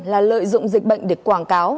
là lợi dụng dịch bệnh để quảng cáo